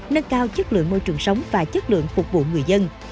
nâng cao chất lượng môi trường sống và chất lượng phục vụ người dân